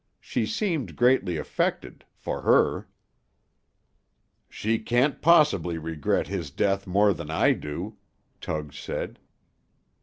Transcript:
She seemed greatly affected, for her." "She can't possibly regret his death more than I do," Tug said.